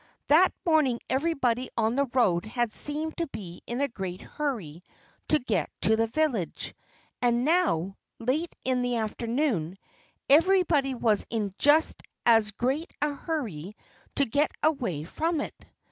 That morning everybody on the road had seemed to be in a great hurry to get to the village. And now, late in the afternoon, everybody was in just as great a hurry to get away from it.